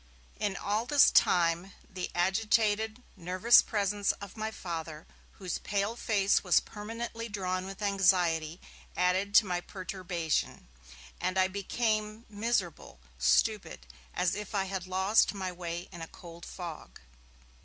In all this time, the agitated, nervous presence of my Father, whose pale face was permanently drawn with anxiety, added to my perturbation, and I became miserable, stupid as if I had lost my way in a cold fog.